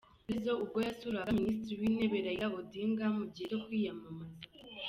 Prezzo ubwo yasuraga Minisitiri w'Intebe Raila Odinga mu gihe cyo kwiyamamaza.